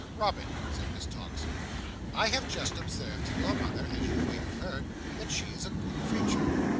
"Robin," said Miss Tox, "I have just observed to your mother, as you may have heard, that she is a good creature."